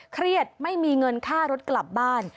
เครียดไม่มีเงินค่ารถกลับบ้าน